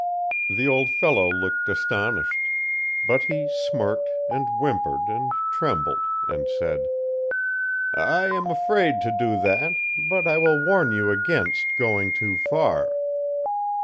"The old fellow looked astonished; but he smirked, and whimpered, and trembled, and said: "'I am afraid to do that; but I will warn you against going too far.'